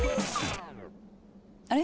あれ？